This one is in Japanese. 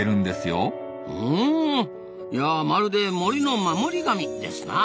うんまるで森の守り神ですな。